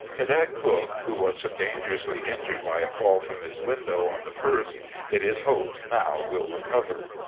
Cadet Cook, who was so dangerously injured by a fall from his window on the ist, it is hoped now will recover.